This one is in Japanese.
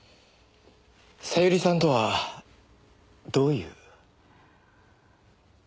小百合さんとはどういう？